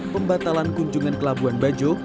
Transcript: pembatalan kunjungan ke labuan bajo